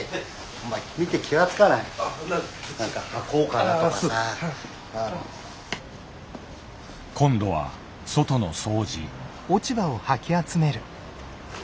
お前今度は外の掃除。